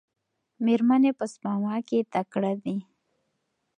میرمنې په سپما کې تکړه دي.